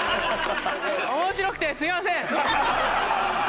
面白くてすいません。